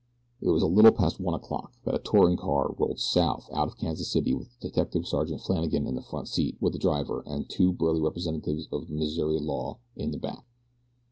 It was but a little past one o'clock that a touring car rolled south out of Kansas City with Detective Sergeant Flannagan in the front seat with the driver and two burly representatives of Missouri law in the back.